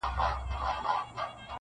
یوه ورځ به یې بېغمه له غپا سو -